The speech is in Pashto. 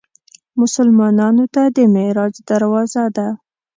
مسلمانانو ته د معراج دروازه ده.